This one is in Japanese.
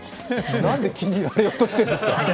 なんで気に入られようとしているんですか。